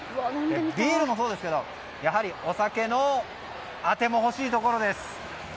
ビールもそうですがやはりお酒のあても欲しいところです。